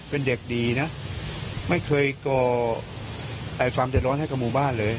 เป็นเด็กดีนะไม่เคยก่อความเดือดร้อนให้กับหมู่บ้านเลย